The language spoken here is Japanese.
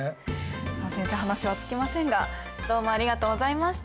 まあ先生話は尽きませんがどうもありがとうございました。